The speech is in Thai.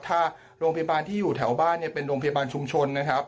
ถ้าโรงพยาบาลที่อยู่แถวบ้านเนี่ยเป็นโรงพยาบาลชุมชนนะครับ